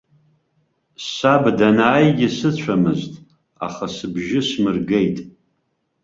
Саб данааигьы сыцәамызт, аха сыбжьы смыргеит.